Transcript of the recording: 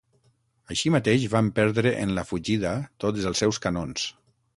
Així mateix van perdre en la fugida tots els seus canons.